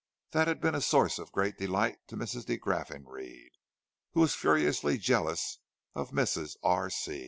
That had been a source of great delight to Mrs. de Graffenried, who was furiously jealous of "Mrs. R.